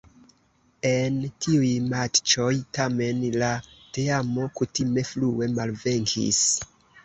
En tiuj matĉoj tamen la teamo kutime frue malvenkis.